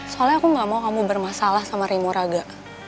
soalnya aku gak mau kamu bermasalah sama rimu raga